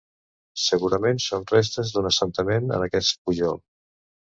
Segurament són restes d'un assentament en aquest pujol.